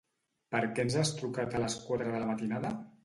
Per què ens has trucat a les quatre de la matinada?